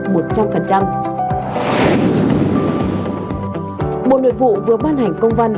bộ nội vụ vừa ban hành công văn về thực hiện các bộ nội vụ